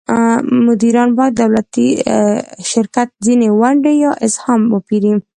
مدیران باید د دولتي شرکت ځینې ونډې یا اسهام وپیري.